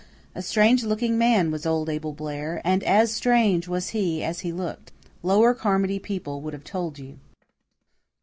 A strange looking man was old Abel Blair; and as strange was he as he looked. Lower Carmody people would have told you.